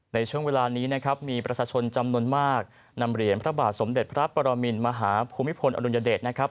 ในช่วงเวลานี้นะครับมีประชาชนจำนวนมากนำเหรียญพระบาทสมเด็จพระปรมินมหาภูมิพลอดุลยเดชนะครับ